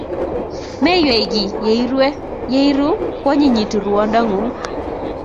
Meiywei kiy ye irue; ye iru, koanyinyitu rwondang'ung'.